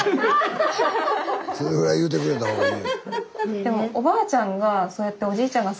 それぐらい言うてくれた方がいいよ。